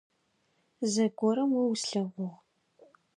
Зэгорэм о услъэгъугъ.